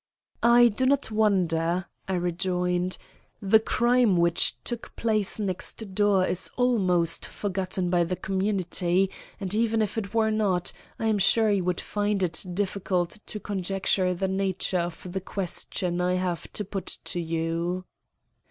"I do not wonder," I rejoined. "The crime which took place next door is almost forgotten by the community, and even if it were not, I am sure you would find it difficult to conjecture the nature of the question I have to put to you."